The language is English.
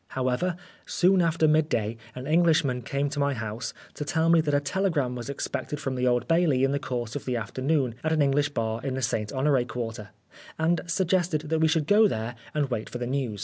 However, soon after midday an Englishman came to my house to tell me that a telegram was expected from the Old Bailey in the course of the afternoon at an English bar in the St. Honore Quarter, and suggested that we should go there and wait for the news.